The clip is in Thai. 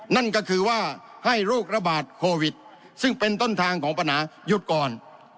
นั่นก็คือว่าให้โรคระบาดโควิดซึ่งเป็นต้นทางของปัญหาหยุดก่อน